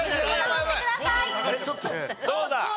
どうだ？